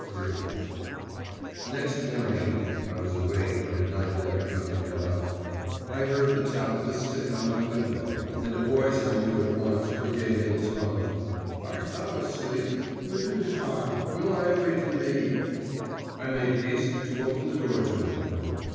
III Next morning (I was awake, but had not yet begun to get up), I heard the tap of a stick on my window, and a voice I knew at once for Gagin's hummed 'Art thou asleep? with the guitar Will I awaken thee …' I made haste to open the door to him.